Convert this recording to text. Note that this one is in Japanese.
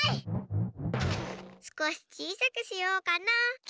すこしちいさくしようかな。